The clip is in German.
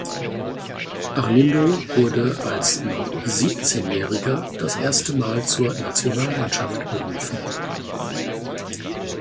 Arlindo wurde als noch Siebzehnjähriger das erste Mal zur Nationalmannschaft berufen.